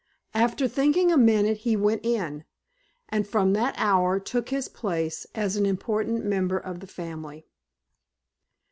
After thinking a minute he went in, and from that hour took his place as an important member of the family.